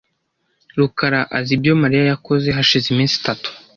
rukara azi ibyo Mariya yakoze hashize iminsi itatu .